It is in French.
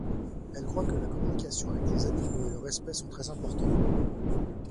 Elle croit que la communication avec les animaux et le respect sont très importants.